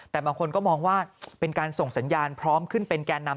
แต่บางคนก็มองว่าเป็นการส่งสัญญาณพร้อมขึ้นเป็นแก่นำ